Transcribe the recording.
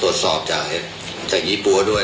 แล้วก็รูปภาพเนี่ยมันชัดเจนว่าเขามีแค่สามชุดนะครับ